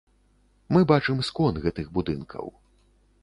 Мы бачым скон гэтых будынкаў.